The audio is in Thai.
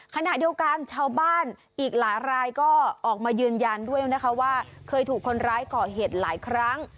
ขณะเดียวกันชาวบ้านอีกหลายรายก็ออกมายืนยันด้วยนะคะว่าเคยถูกคนร้ายก่อเหตุหลายครั้ง